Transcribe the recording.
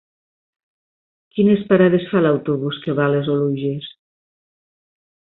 Quines parades fa l'autobús que va a les Oluges?